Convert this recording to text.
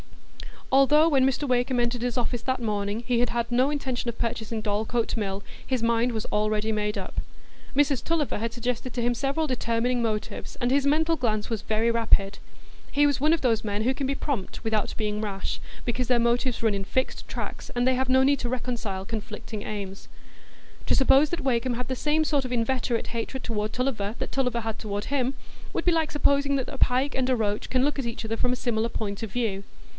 Although, when Mr Wakem entered his office that morning, he had had no intention of purchasing Dorlcote Mill, his mind was already made up. Mrs Tulliver had suggested to him several determining motives, and his mental glance was very rapid; he was one of those men who can be prompt without being rash, because their motives run in fixed tracks, and they have no need to reconcile conflicting aims. To suppose that Wakem had the same sort of inveterate hatred toward Tulliver that Tulliver had toward him would be like supposing that a pike and a roach can look at each other from a similar point of view.